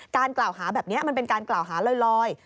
กล่าวหาแบบนี้มันเป็นการกล่าวหาลอย